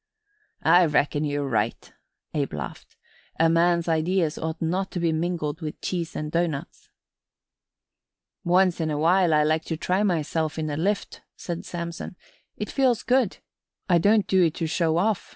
"I reckon you're right," Abe laughed. "A man's ideas ought not to be mingled with cheese and doughnuts." "Once in a while I like to try myself in a lift," said Samson. "It feels good. I don't do it to show off.